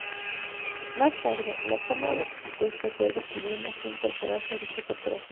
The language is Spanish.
Más tarde, la Cámara rectificó este acuerdo, pudiendo así incorporarse a dicha corporación.